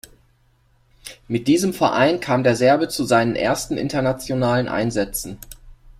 Mit diesem Verein kam der Serbe zu seinen ersten internationalen Einsätzen.